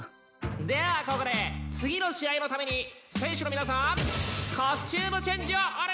ではここで次の試合のために選手の皆さんコスチュームチェンジをお願いしまーす！